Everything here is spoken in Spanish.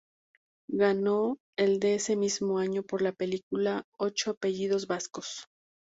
Ganó el de ese mismo año por la película "Ocho apellidos vascos".